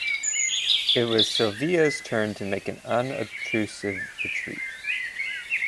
It was Sylvia's turn to make an unobtrusive retreat.